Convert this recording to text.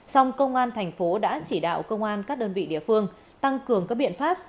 song công an thành phố đã chỉ đạo công an các đơn vị địa phương tăng cường các biện pháp